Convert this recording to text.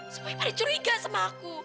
supaya pada curiga sama aku